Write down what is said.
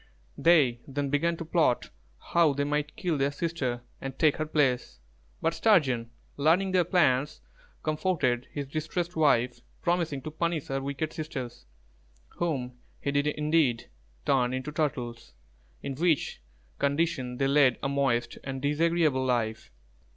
They then began to plot how they might kill their sister and take her place; but Sturgeon, learning their plans, comforted his distressed wife, promising to punish her wicked sisters, whom he did indeed turn into turtles, in which condition they led a moist and disagreeable life.